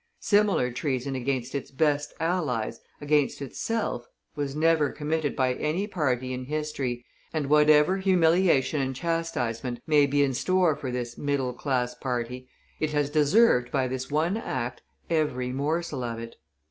Similar treason against its best allies, against itself, never was committed by any party in history, and whatever humiliation and chastisement may be in store for this middle class party, it has deserved by this one act every morsel of it.